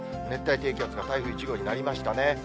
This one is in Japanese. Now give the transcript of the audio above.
熱帯低気圧が台風１号になりましたね。